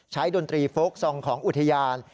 ดนตรีโฟลกซองของอุทยาน